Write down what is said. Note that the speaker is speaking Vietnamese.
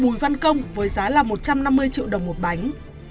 bùi văn công với giá là một trăm năm mươi triệu đồng một bánh